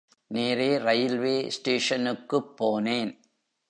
நேரே ரயில்வே ஸ்டேஷனுக்குப் போனேன்.